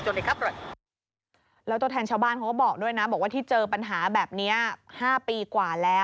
และนักนึกของท่านนะครับ